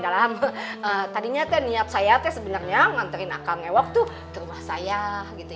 dalam tadinya teh niat saya teh sebenarnya nganterin akan e work tuh rumah saya gitu